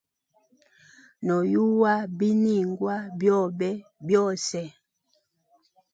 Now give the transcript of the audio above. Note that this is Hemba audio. No yuwa biningwa byobe byose.